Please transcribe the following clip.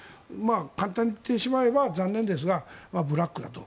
簡単に言ってしまえば残念ですが、ブラックだと。